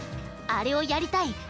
「あれをやりたい」